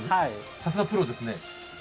さすがプロですね。